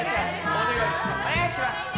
お願いします。